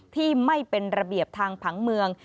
ที่ไม่เป็นระเบียบทางผังเมือง